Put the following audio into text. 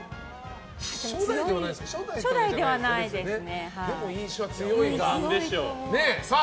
初代ではないですか？